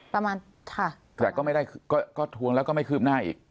ประมาณค่ะแต่ก็ไม่ได้ก็ก็ทวงแล้วก็ไม่คืบหน้าอีก